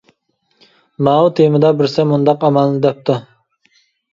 ماۋۇ تېمىدا بىرسى مۇنداق ئامالنى دەپتۇ.